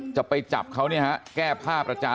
จะไปจับเขาแก้ภาพอาจารย์